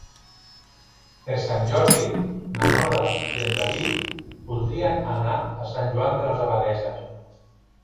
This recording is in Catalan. Per Sant Jordi na Nora i en David voldrien anar a Sant Joan de les Abadesses.